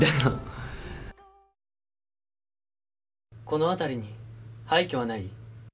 この辺りに廃虚はない？